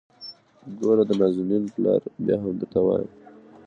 ګوره د نازنين پلاره ! بيا هم درته وايم.